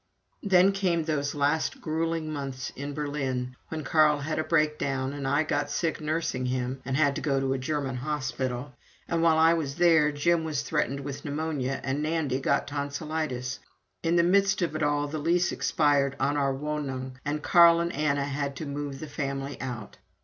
Then came those last grueling months in Berlin, when Carl had a breakdown, and I got sick nursing him and had to go to a German hospital; and while I was there Jim was threatened with pneumonia and Nandy got tonsillitis. In the midst of it all the lease expired on our Wohnung, and Carl and Anna had to move the family out.